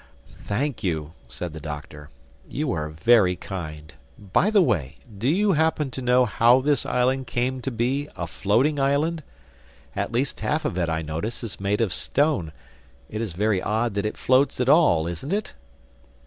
"Thank you," said the Doctor. "You are very kind—By the way, do you happen to know how this island came to be a floating island? At least half of it, I notice, is made of stone. It is very odd that it floats at all, isn't it?"